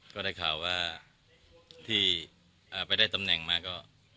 ก็ได้ข่าวว่าที่ไปได้ตำแหน่งมาก็